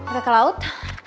udah ke laut